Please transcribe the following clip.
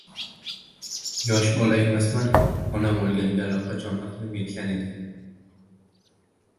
Yosh bola emasman-ku, onam o‘lganiga allaqachon aqlim yetgan edi.